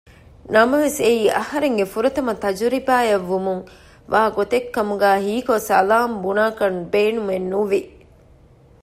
ނަމަވެސް އެއީ އަހަރެންގެ ފުރަތަމަ ތަޖުރިބާއަށްވުމުން ވާގޮތެއް ކަމުގައި ހީކޮށް ސަލާން ބުނާކަށް ބޭނުމެއްނުވި